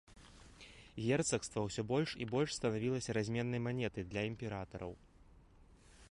Герцагства ўсё больш і больш станавілася разменнай манетай для імператараў.